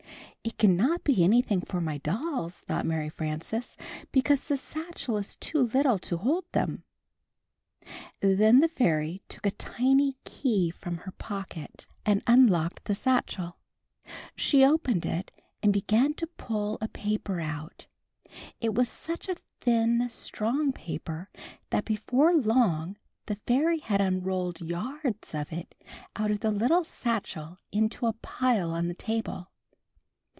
"It cannot be an^i^liing for my dolls," thought Mary Frances, "because^the satchel is too httle to hold them." Then the fairy took a tiny key from her pocket Fairiv Hew came, ^\'^ A Gift from the Queen of Fairies 221 and unlocked the satchel. She opened it and began to pull a paper out. It was such a thin strong paper that before long the fairy had unrolled yards of it out of the little satchel into a pile on the table.